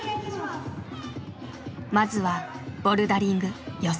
まずはボルダリング予選。